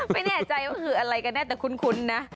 ไม่แน่ใจว่าคืออะไรกันแน่แต่คุ้นนะ